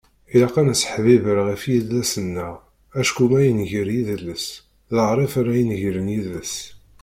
Ilaq ad nesseḥbiber ɣef yidles-nneɣ. Acku ma yenger yidles, d aɣref ara inegren yid-s.